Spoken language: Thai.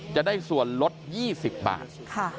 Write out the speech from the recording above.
จะได้ส่วนลด๒๐บาท